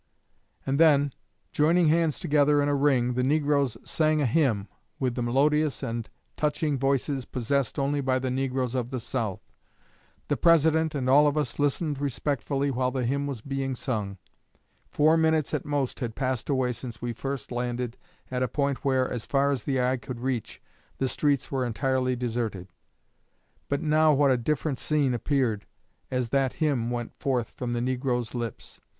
And then, joining hands together in a ring, the negroes sang a hymn, with the melodious and touching voices possessed only by the negroes of the South. The President and all of us listened respectfully while the hymn was being sung. Four minutes at most had passed away since we first landed at a point where, as far as the eye could reach, the streets were entirely deserted; but now what a different scene appeared as that hymn went forth from the negroes' lips!